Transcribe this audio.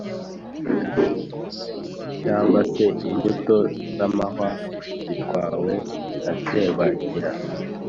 cyangwa se imbuto z’amahwa zitwawe na serwakira.